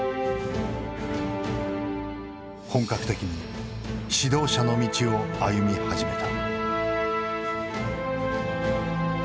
本格的に指導者の道を歩み始めた。